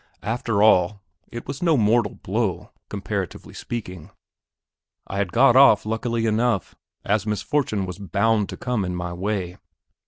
After all, it was no mortal blow; comparatively speaking, I had got off luckily enough, as misfortune was bound to come in my way.